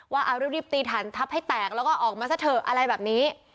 ว่าเอารีบตีถันทับให้แตกแล้วก็ออกมาซะเถอะอะไรแบบนี้